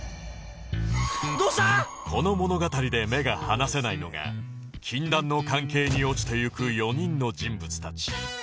この物語で目が離せないのが禁断の関係に落ちていく４人の人物たち